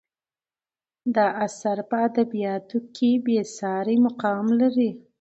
دا اثر په ادبیاتو کې بې سارې مقام لري.